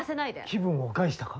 気分を害したか。